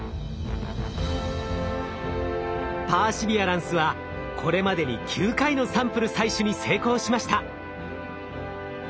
パーシビアランスはこれまでに９回のサンプル採取に成功しました。